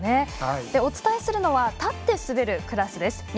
お伝えするのは立って滑るクラスです。